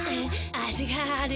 味があるよ。